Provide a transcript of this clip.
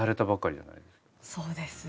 そうです。